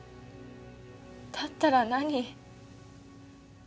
だったら何？